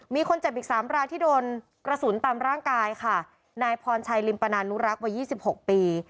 มีคนเจ็บอีกสามรายที่โดนกระสุนตามร่างกายค่ะนายพรชัยลิมปนานุรักษ์วัย๒๖ปี